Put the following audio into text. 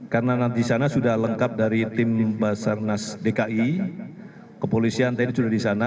karena nanti di sana sudah lengkap dari tim basarnas dki kepolisian tadi sudah di sana